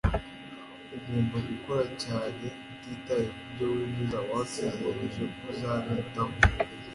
Ugomba gukora cyane utitaye kubyo winjiza. Wansezeranije ko uzabitaho.